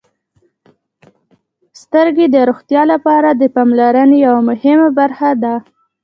• سترګې د روغتیا لپاره د پاملرنې یوه مهمه برخه ده.